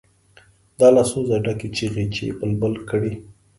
دا له سوزه ډکې چیغې چې بلبل کړي.